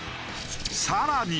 さらに。